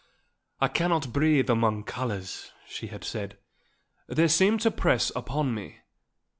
"I cannot breathe among colours," she had said. "They seem to press upon me.